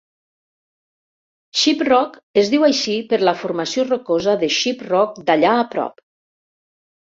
Shiprock es diu així per la formació rocosa de Shiprock d'allà a prop.